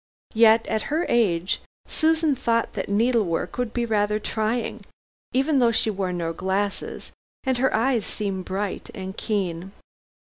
Yet, at her age, Susan thought that needlework would be rather trying, even though she wore no glasses and her eyes seemed bright and keen.